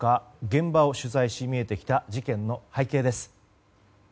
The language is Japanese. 現場を取材して見えてきた事件の背景です。